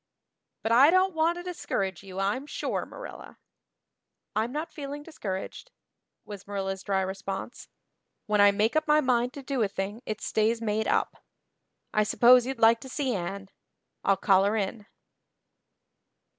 But I don't want to discourage you I'm sure, Marilla." "I'm not feeling discouraged," was Marilla's dry response, "when I make up my mind to do a thing it stays made up. I suppose you'd like to see Anne. I'll call her in."